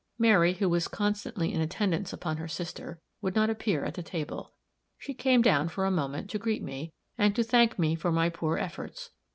Mary, who was constantly in attendance upon her sister, would not appear at the table. She came down, for a moment, to greet me, and to thank me for my poor efforts.